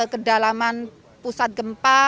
kedalaman pusat gempa